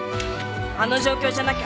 あの状況じゃなきゃ。